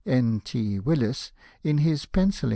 N. T. Willis, in his Pe7icilli?